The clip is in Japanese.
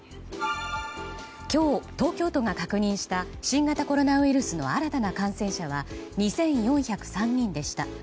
今日、東京都が確認した新型コロナウイルスの新たな感染者は２４０３人でした。